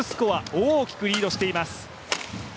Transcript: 大きくリードしています。